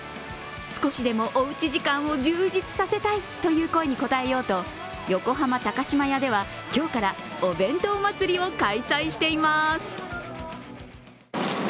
少しでも、おうち時間を充実させたいという声に応えようと横浜高島屋では今日からおべんとう祭りを開催しています。